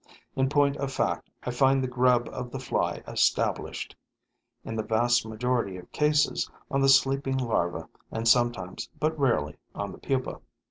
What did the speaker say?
In point of fact, I find the grub of the fly established, in the vast majority of cases, on the sleeping larva and sometimes, but rarely, on the pupa.